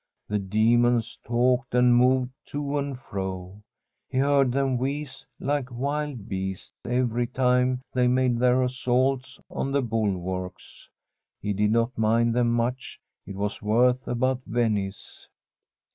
The demons talked and moved to and fro. He heard them wheeze like wild beasts every time they made their assaults on the bulwarks. He did not mind them much ; it was worse about Venice.